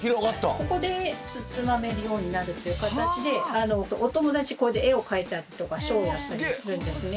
ここでつまめるようになるっていう形でお友達これで絵を描いたりとかショーをやったりするんですね。